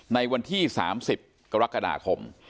ในวันที่๓๐กรกฎาคม